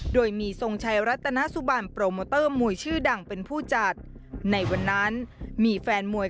โดยมีทรงชัยรัตนสุบันโปรโมเตอร์มวยชื่อดังเป็นผู้จัดในวันนั้นมีแฟนมวย